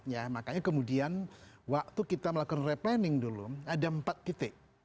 ya makanya kemudian waktu kita melakukan re planning dulu ada empat kitik